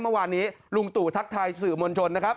เมื่อวานนี้ลุงตู่ทักทายสื่อมวลชนนะครับ